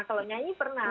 kalau nyanyi pernah